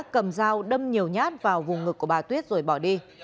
cầm dao đâm nhiều nhát vào vùng ngực của bà tuyết rồi bỏ đi